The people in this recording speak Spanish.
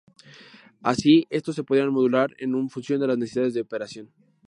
Así, estos se podrán modular en función de las necesidades de operación.